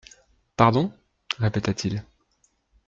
«Pardon,» répéta-t-il.